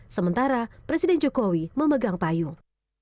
sementara presiden jokowi memegang payung